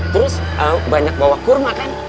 terus banyak bawa kurma kan